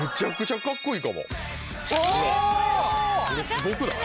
すごくない？